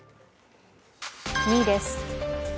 ２位です。